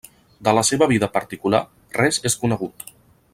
De la seva vida particular res és conegut.